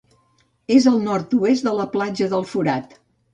És al nord-oest de la Platja del Forat.